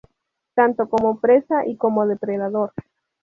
Tanto como presa y como depredador.